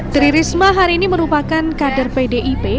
tri risma hari ini merupakan kader pdip